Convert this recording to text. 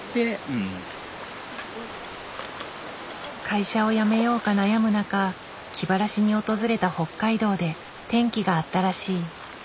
会社を辞めようか悩む中気晴らしに訪れた北海道で転機があったらしい。